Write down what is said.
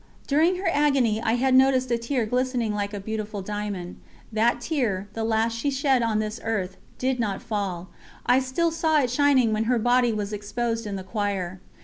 During her agony I had noticed a tear glistening like a beautiful diamond. That tear, the last she shed on this earth, did not fall, I still saw it shining when her body was exposed in the choir.